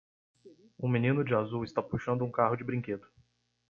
Um menino de azul está puxando um carro de brinquedo.